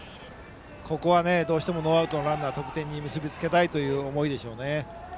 ここはどうしてもノーアウトのランナーを得点に結び付けたいですね。